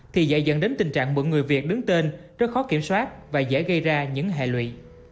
thì dạy dẫn đến tình trạng mượn người việt đứng tên rất khó kiểm soát và dễ gây ra những hại lụy